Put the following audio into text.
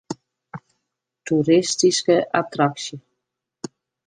Toeristyske attraksje.